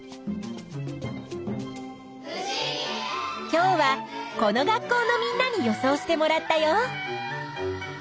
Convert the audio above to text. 今日はこの学校のみんなに予想してもらったよ。